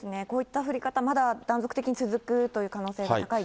こういった降り方、まだ断続的に続くという可能性が高いです。